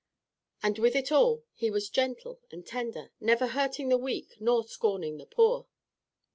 And with it all he was gentle and tender, never hurting the weak nor scorning the poor.